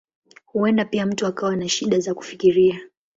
Huenda pia mtu akawa na shida za kufikiria.